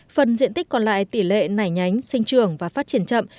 phần diện tích còn lại tỷ lệ nảy nhánh sinh trường và phát triển chậm